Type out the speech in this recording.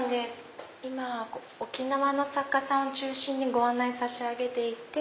今沖縄の作家さんを中心にご案内差し上げていて。